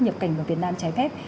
nhập cảnh vào việt nam trái phép